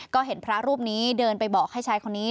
ก็เห็นพระรูปนี้เดินไปบอกให้ชายคนนี้